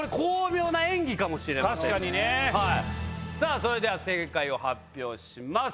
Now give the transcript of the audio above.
それでは正解を発表します。